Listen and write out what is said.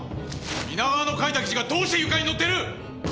皆川の書いた記事がどうして夕刊に載ってる！？